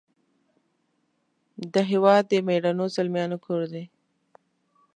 د هیواد د میړنو زلمیانو کور دی .